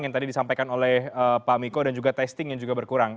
yang tadi disampaikan oleh pak miko dan juga testing yang juga berkurang